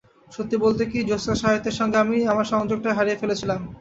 সত্যি বলতে কী, জোসা সাহিত্যের সঙ্গে আমি আমার সংযোগটাই হারিয়ে ফেলেছিলাম।